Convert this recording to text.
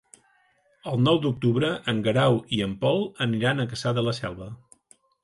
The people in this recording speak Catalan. El nou d'octubre en Guerau i en Pol aniran a Cassà de la Selva.